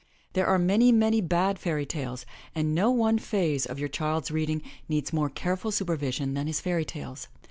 There are many, many bad fairy tales and no one phase of your child's reading needs more careful supervision than his fairy tales.